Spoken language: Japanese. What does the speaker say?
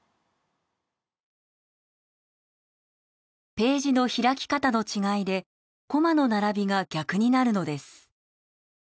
ページの開き方の違いでコマの並びが逆になるのです。